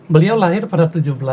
beliau lahir pada tujuh belas